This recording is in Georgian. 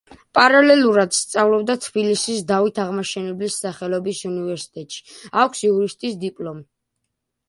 პარალელურად სწავლობდა თბილისის დავით აღმაშენებლის სახელობის უნივერსიტეტში, აქვს იურისტის დიპლომი.